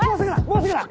もうすぐだ！